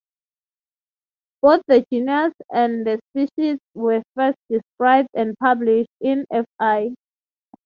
Both the genus and the species were first described and published in Fl.